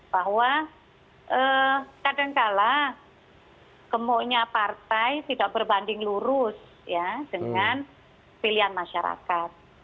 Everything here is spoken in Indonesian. bahwa kadangkala gemuknya partai tidak berbanding lurus ya dengan pilihan masyarakat